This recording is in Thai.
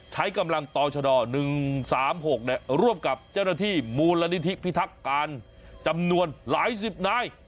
ใช้กำลังต่อชด๑๓๖ร่วมกับเจ้าหน้าที่มูลนิธิพิทักการจำนวนหลายสิบนาย